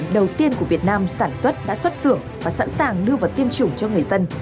đầu tiên của việt nam sản xuất đã xuất xưởng và sẵn sàng đưa vào tiêm chủng cho người dân